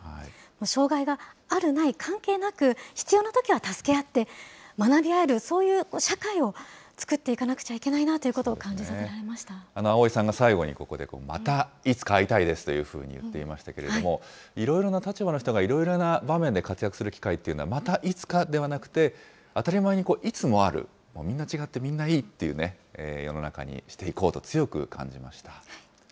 障害があるない関係なく、必要なときは助け合って、学び合えるそういう社会をつくっていかなくちゃいけないなと感じ葵さんが最後にここで、またいつか会いたいですと言っていましたけれども、いろいろな立場の人がいろいろな場面で活躍する機会っていうのは、またいつかではなくて、当たり前にいつもある、みんな違ってみんないいっていう世の中にしていこうと、強く感じました。